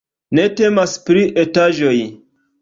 Ne temas pri etaĵoj.